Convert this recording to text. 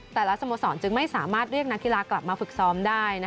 สโมสรจึงไม่สามารถเรียกนักกีฬากลับมาฝึกซ้อมได้